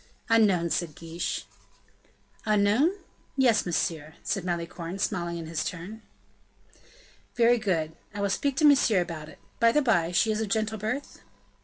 "Unknown," said De Guiche. "Unknown? yes, monsieur," said Malicorne, smiling in his turn. "Very good. I will speak to Monsieur about it. By the by, she is of gentle birth?"